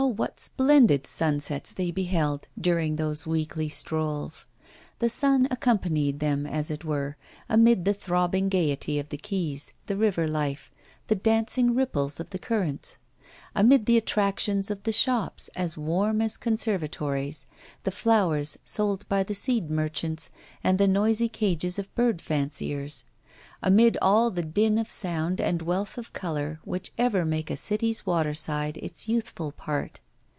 what splendid sunsets they beheld during those weekly strolls. The sun accompanied them, as it were, amid the throbbing gaiety of the quays, the river life, the dancing ripples of the currents; amid the attractions of the shops, as warm as conservatories, the flowers sold by the seed merchants, and the noisy cages of the bird fanciers; amid all the din of sound and wealth of colour which ever make a city's waterside its youthful part.